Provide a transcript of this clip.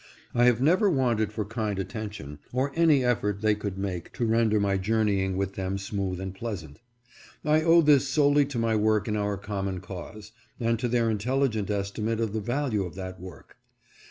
I have never wanted for kind attention, or any effort they could make to render my journeying with them smooth and pleasant. I owe this solely to my work in our common cause, and to their intelligent estimate of the value of that work.